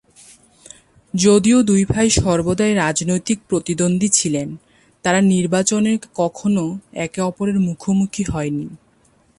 যদিও দুই ভাই সর্বদাই রাজনৈতিক প্রতিদ্বন্দ্বী ছিলেন, তারা নির্বাচনে কখনও একে অপরের মুখোমুখি হয়নি।